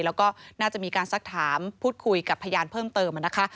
แล้วก็น่าจะมีการสักถามพูดคุยกับพยานเพิ่มเติมนะคะ